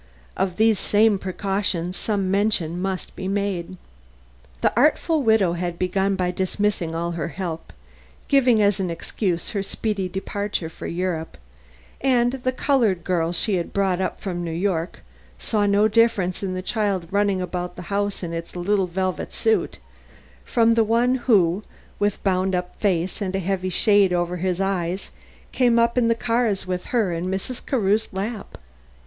Of these same precautions some mention must be made. The artful widow had begun by dismissing all her help, giving as an excuse her speedy departure for Europe, and the colored girl she had brought up from New York saw no difference in the child running about the house in its little velvet suit from the one who, with bound up face and a heavy shade over his eyes, came up in the cars with her in Mrs. Carew's lap.